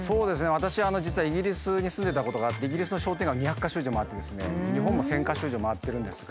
私実はイギリスに住んでたことがあってイギリスの商店街を２００か所以上回って日本も１，０００か所以上回ってるんですが。